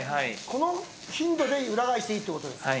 この頻度で裏返していいってことですね。